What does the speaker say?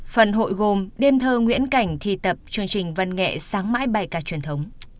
phần hội gồm đêm thơ nguyễn cảnh thi tập chương trình văn nghệ sáng mãi bài ca truyền thống